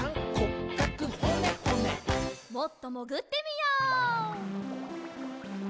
もっともぐってみよう。